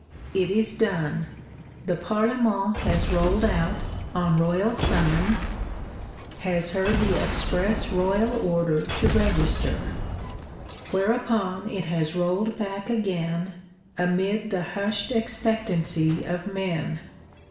It is done: the Parlement has rolled out, on royal summons; has heard the express royal order to register. Whereupon it has rolled back again, amid the hushed expectancy of men.